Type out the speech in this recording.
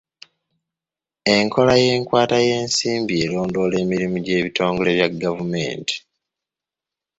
Enkola y'enkwata y'ensimbi erondoola emirimu gy'ebitongole bya gavumenti.